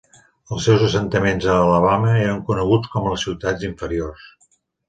Els seus assentaments a Alabama eren coneguts com les ciutats inferiors.